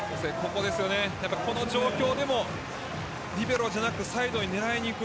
この状況でもリベロじゃなくサイドを狙いにいく。